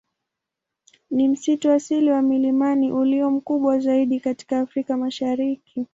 Ni msitu asili wa milimani ulio mkubwa zaidi katika Afrika Mashariki.